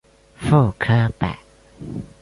傅科摆